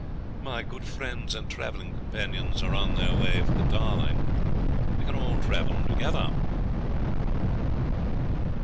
My good friends and travelling companions are on their way for the Darling. We can all travel together.'